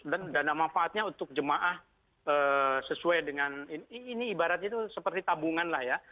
dan dana manfaatnya untuk jemaah sesuai dengan ini ibaratnya itu seperti tabungan lah ya